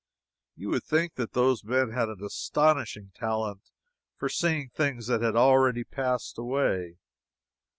You would think that those men had an astonishing talent for seeing things that had already passed away.